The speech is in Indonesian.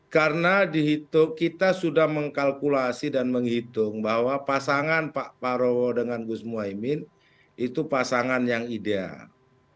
karena kita sudah mengkalkulasi dan menghitung bahwa pasangan pak prabowo dengan gus imin itu pasangan yang ideal